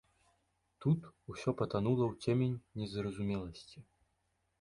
Тут усё патанула ў цемень незразумеласці.